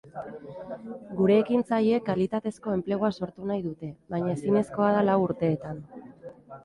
Gure ekintzaileek kalitatezko enplegua sortu nahi dute, baina ezinezkoa da lau urtetan.